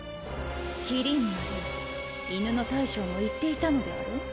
麒麟丸犬の大将も言っていたのであろう？